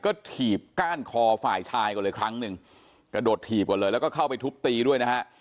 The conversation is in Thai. ก็ถีบก้านคอฝ่ายชายก่อนเลยครั้งหนึ่งกระโดดถีบก่อนเลยแล้วก็เข้าไปทุบตีด้วยนะฮะ